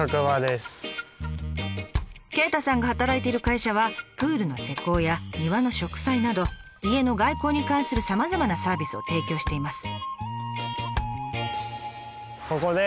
鯨太さんが働いてる会社はプールの施工や庭の植栽など家の外構に関するさまざまなサービスを提供しています。